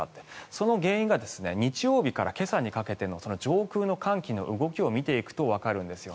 その原因が日曜日から今朝にかけての上空の寒気を見ていくとわかるんです。